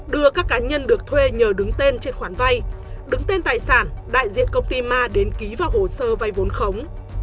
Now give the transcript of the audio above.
đưa các cá nhân được thuê nhờ đứng tên trên khoản vay đứng tên tài sản đại diện công ty ma đến ký vào hồ sơ vay vốn khống